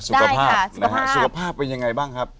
สุขภาพเป็นยังไงบ้างครับ